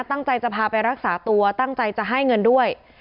ตั้งใจจะพาไปรักษาตัวตั้งใจจะให้เงินด้วย